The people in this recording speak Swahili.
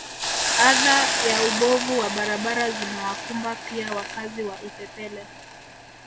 Adha ya ubovu wa barabara zimewakumba pia wakazi wa Ipepele